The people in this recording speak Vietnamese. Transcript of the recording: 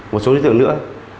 một số đối tượng nữa